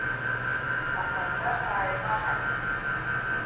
Аԥарда ааимаҳаит.